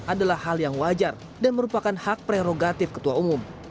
adalah hal yang wajar dan merupakan hak prerogatif ketua umum